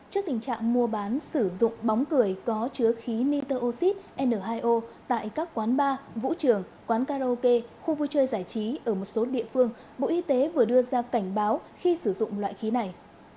trước tình trạng mua bán sử dụng bóng cười có chứa khí nitroxid n hai o tại các quán bar vũ trường quán karaoke khu vui chơi giải trí ở một số địa phương bộ y tế vừa đưa ra cảnh báo khi sử dụng loại khí này